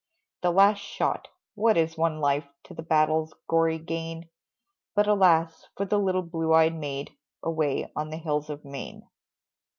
The last shot! What is one life To the battle's gory gain? But, alas, for the little blue eyed maid Away on the hills of Maine!